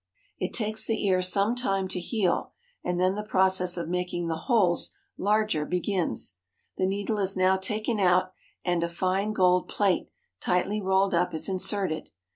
It takes the ear some time to heal, and then the process of making the holes larger begins. The needle is now taken out, and a fine gold plate, tightly rolled up, is in serted.